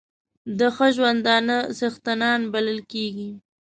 د ښه ژوندانه څښتنان بلل کېږي.